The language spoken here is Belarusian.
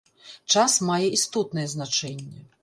Час мае істотнае значэнне.